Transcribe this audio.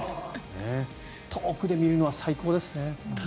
遠くで見るのは最高ですね。